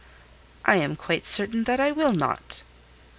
"I am quite certain that I will not."